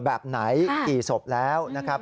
แบบไหนกี่ศพแล้ว